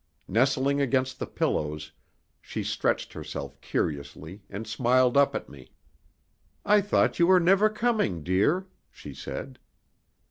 Nestling against the pillows, she stretched herself curiously and smiled up at me. "I thought you were never coming, dear," she said.